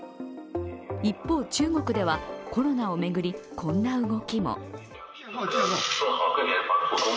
一方、中国ではコロナを巡り、こんな動きも。